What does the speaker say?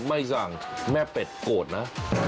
ไม่สั่งแม่เป็ดโกรธนะ